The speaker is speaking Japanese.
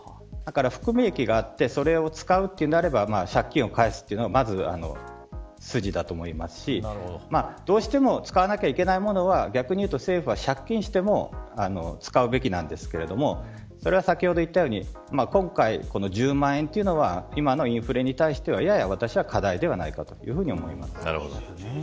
だから、含み益があってそれを使うとなれば借金を返すというのがまず筋だと思いますしどうしても使わなければいけないものは逆にいうと、政府は借金しても使うべきなんですけれどもそれは先ほど言ったように今回、この１０万円というのは今のインフルに対してはやや私が過大ではないかと思います。